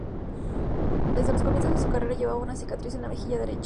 Desde los comienzos de su carrera llevaba una cicatriz en la mejilla derecha.